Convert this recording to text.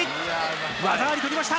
技あり取りました。